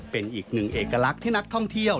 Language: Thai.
เป็นอีกหนึ่งเอกลักษณ์ที่นักท่องเที่ยว